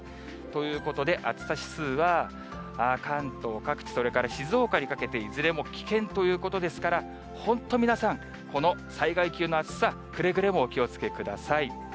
ということで、暑さ指数は関東各地、それから静岡にかけていずれも危険ということですから、本当、皆さん、この災害級の暑さ、くれぐれもお気をつけください。